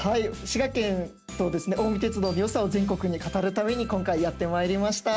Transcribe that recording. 滋賀県と近江鉄道のよさを全国に語るために今回やってまいりました。